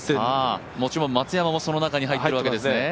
もちろん松山も、その中に入っているわけですね。